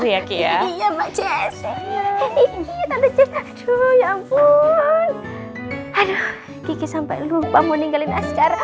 sampai lupa mau ninggalin askar